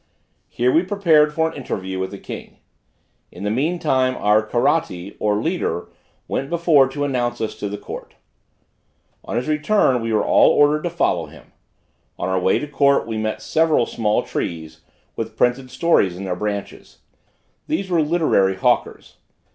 Here we prepared for an interview with the king. In the mean time our Karatti, or leader went before to announce us to the court. On his return, we were all ordered to follow him. On our way to court we met several small trees, with printed stories in their branches. These were literary hawkers.